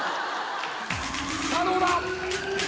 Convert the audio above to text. さあどうだ